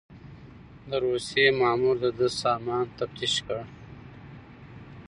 د روسيې مامور د ده سامان تفتيش کړ.